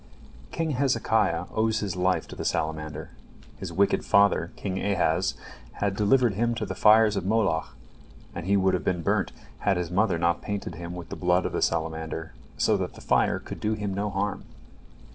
King Hezekiah owes his life to the salamander. His wicked father, King Ahaz, had delivered him to the fires of Moloch, and he would have been burnt, had his mother not painted him with the blood of the salamander, so that the fire could do him no harm.